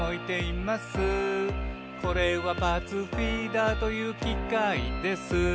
「これはパーツフィーダーというきかいです」